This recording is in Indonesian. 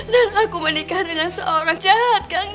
dan aku menikah dengan seorang jahat kak